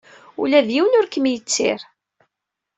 Ula d yiwen ur kem-yettir.